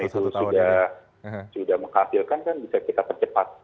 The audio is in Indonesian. kalau hasil tambahan itu sudah menghasilkan kan bisa kita percepat